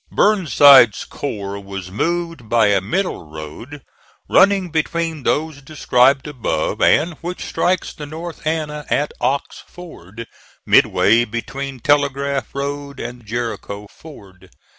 Burnside's corps was moved by a middle road running between those described above, and which strikes the North Anna at Ox Ford, midway between Telegraph Road and Jericho Ford.